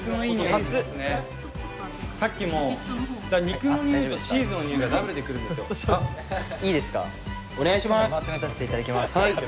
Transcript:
かけさせていただきます。